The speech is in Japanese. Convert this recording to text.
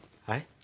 はい？